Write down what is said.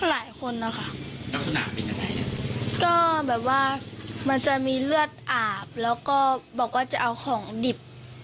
หลายคนอ่ะค่ะก็มันจะมีเลือดอาบแล้วก็บอกว่าจะเอาของดิบ